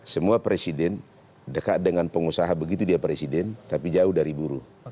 semua presiden dekat dengan pengusaha begitu dia presiden tapi jauh dari buruh